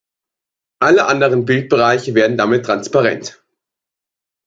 Alle anderen Bildbereiche werden damit transparent.